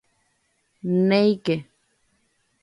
¡Néike!